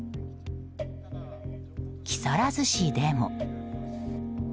木更津市でも。